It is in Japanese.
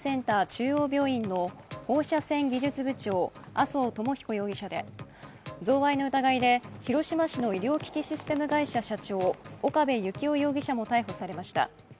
中央病院の放射線技術部長、麻生智彦容疑者で贈賄の疑いで広島市の医療機器システム会社社長、岡部幸夫容疑者も逮捕されました。